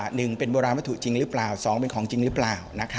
หนึ่งเป็นโบราณวัตถุจริงหรือเปล่าสองเป็นของจริงหรือเปล่า